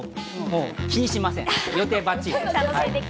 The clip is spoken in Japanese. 気にしません、予定ばっちり。